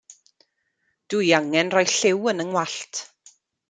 Dw i angen rhoi lliw yn 'y ngwallt.